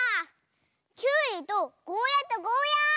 きゅうりとゴーヤーとゴーヤー！